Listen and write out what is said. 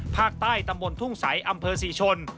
ภาคใต้ตำบลทุ่งสัยอำเภอสี่ชน